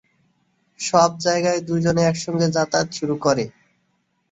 সব জায়গায় দু’জনে একসঙ্গে যাতায়াত শুরু করে।